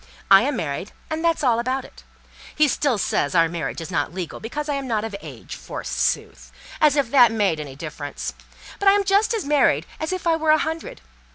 I am married, and that's all about it. He still says our marriage is not legal, because I am not of age, forsooth! As if that made any difference! I am just as much married as if I were a hundred.